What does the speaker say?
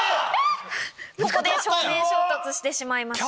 ここで正面衝突してしまいました。